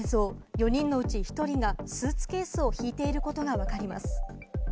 ４人のうち１人がスーツケースを引いていることがわかります。